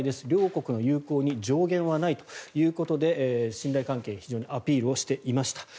両国の友好に上限はないということで信頼関係非常にアピールしていました。